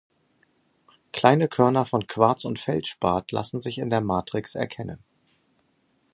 Kleine Körner von Quarz und Feldspat lassen sich in der Matrix erkennen.